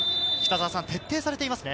徹底されていますね。